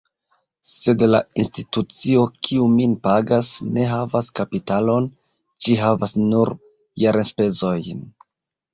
Sed la institucio, kiu min pagas, ne havas kapitalon; ĝi havas nur jarenspezojn.